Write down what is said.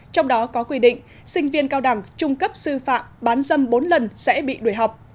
trong đó có quy định sinh viên cao đẳng trung cấp sư phạm bán dâm bốn lần sẽ bị đuổi học